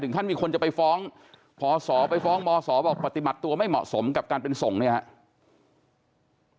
ขั้นมีคนจะไปฟ้องพศไปฟ้องมศบอกปฏิบัติตัวไม่เหมาะสมกับการเป็นส่งเนี่ยครับ